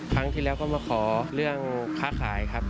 ครั้งที่แล้วก็มาขอเรื่องค้าขายครับ